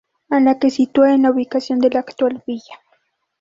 A la que se sitúa en la ubicación de la actual Villa.